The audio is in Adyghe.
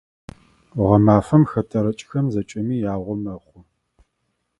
Гъэмафэм хэтэрыкӀхэм зэкӀэми ягъо мэхъу.